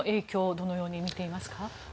どのように見ていますか。